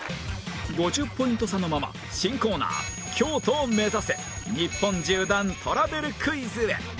５０ポイント差のまま新コーナー京都を目指せ日本縦断トラベルクイズへ